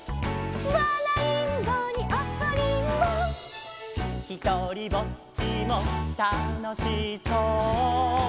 「わらいんぼにおこりんぼ」「ひとりぼっちもたのしそう」